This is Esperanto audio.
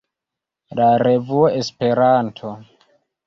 la revuo Esperanto.